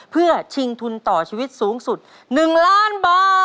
เพื่อชิงทุนต่อชีวิตสูงสุด๑ล้านบาท